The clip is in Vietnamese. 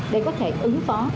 để có thể ứng phó